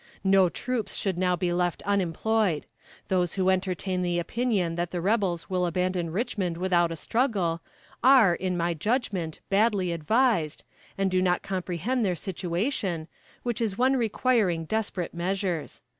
No troops should now be left unemployed. Those who entertain the opinion that the rebels will abandon Richmond without a struggle are, in my judgment, badly advised, and do not comprehend their situation, which is one requiring desperate measures.